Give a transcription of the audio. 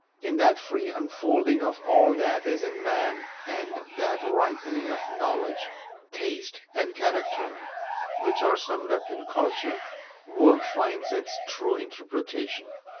In that free unfolding of all that is in man and that ripening of knowledge, taste, and character, which are summed up in culture, work finds its true interpretation.